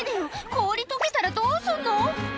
氷解けたらどうすんの？